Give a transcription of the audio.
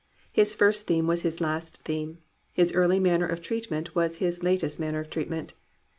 His first theme was his last theme. His early manner of treatment w^as his latest manner of treatment.